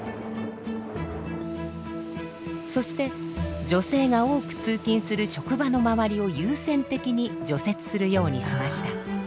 そして女性が多く通勤する職場の周りを優先的に除雪するようにしました。